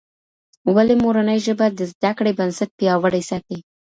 ولي مورنۍ ژبه د زده کړې بنسټ پياوړی ساتي؟